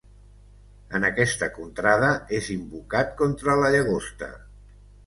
En aquesta contrada és invocat contra la llagosta.